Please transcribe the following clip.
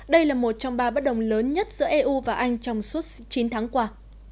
đây là một trong ba bất đồng lớn nhất giữa eu và anh trong suốt chín tháng qua